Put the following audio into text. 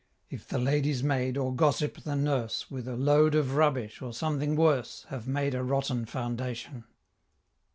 If the Lady's maid or Gossip the Nurse With a load of rubbish, or something worse, Have made a rotten foundation.